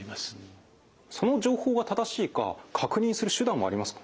その情報が正しいか確認する手段はありますか？